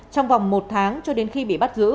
trong vòng một tháng cho đến khi bị bắt giữ